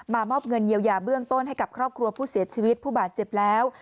มอบเงินเยียวยาเบื้องต้นให้กับครอบครัวผู้เสียชีวิตผู้บาดเจ็บแล้ว